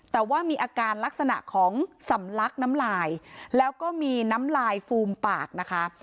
แต่ว่ามีอาการลักษณะของสำลักน้ำลายแล้วก็มีน้ำลายฟูมปากนะคะ